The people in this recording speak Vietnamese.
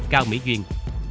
cao mỹ duyên